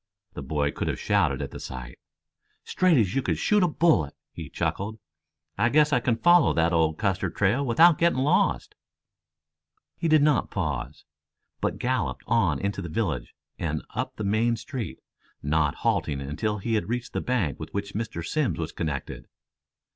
The boy could have shouted at the sight. "Straight as you could shoot a bullet," he chuckled. "I guess I can follow the old Custer trail without getting lost." He did not pause, but galloped on into the village and up the main street, not halting until he had reached the bank with which Mr. Simms was connected.